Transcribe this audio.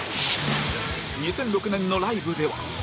２００６年のライブでは